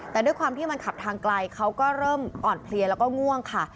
แต่ด้วยความที่มันขับทางไกลเขาก็เริ่มอ่อนเพลียแล้วก็ง่วงค่ะ